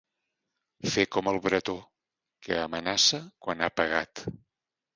Fer com el Bretó: que amenaça quan ha pegat.